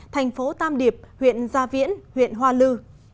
thành phố tam điệp huyện gia viễn huyện hoa lư